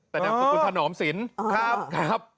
แต่นั่นคือคุณถนอมสินครับ